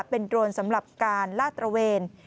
เป็นโดรนสำหรับการลาดตระเวน